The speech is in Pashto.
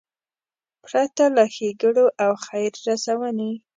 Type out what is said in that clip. پرته له ښېګړو او خیر رسونې.